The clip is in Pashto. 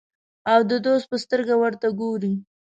او د دوست په سترګه ورته ګوري.